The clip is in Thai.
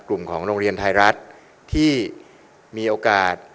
กลุ่มของโรงเรียนไทยรัฐที่มีโอกาส